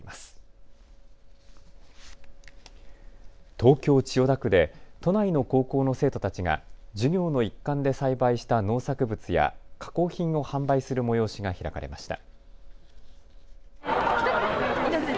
東京千代田区で都内の高校の生徒たちが授業の一環で栽培した農作物や加工品を販売する催しが開かれました。